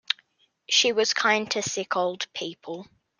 She was kind to sick old people.